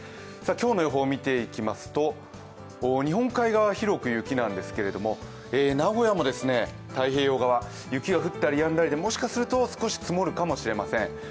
今日の予報を見ていきますと、日本海側、広く雪なんですけれども名古屋も太平洋側、雪が降ったりやんだりでもしかすると少し積もるかもしれません。